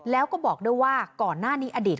แล้วก็บอกด้วยว่าก่อนหน้านี้อดีต